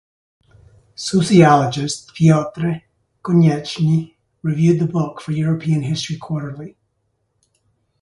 Sociologist Piotr Konieczny reviewed the book for "European History Quarterly".